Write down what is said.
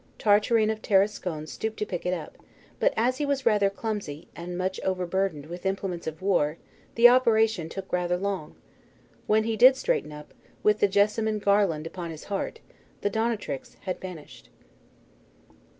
Tartarin of Tarascon stooped to pick it up; but as he was rather clumsy, and much overburdened with implements of war, the operation took rather long. When he did straighten up, with the jessamine garland upon his heart, the donatrix had vanished.